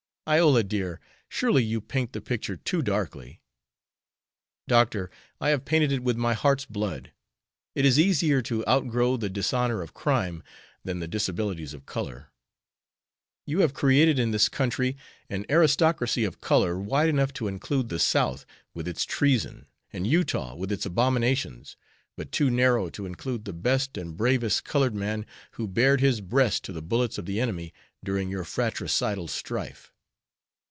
"Iola, dear, surely you paint the picture too darkly." "Doctor, I have painted it with my heart's blood. It is easier to outgrow the dishonor of crime than the disabilities of color. You have created in this country an aristocracy of color wide enough to include the South with its treason and Utah with its abominations, but too narrow to include the best and bravest colored man who bared his breast to the bullets of the enemy during your fratricidal strife.